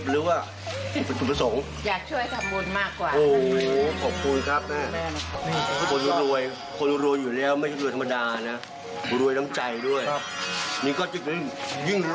ราคาปี๊บแสนหนึ่ง